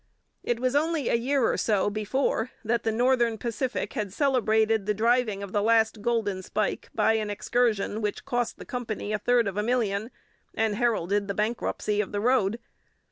It was only a year or so before that the Northern Pacific had celebrated the driving of the last golden spike by an excursion which cost the company a third of a million, and heralded the bankruptcy of the road.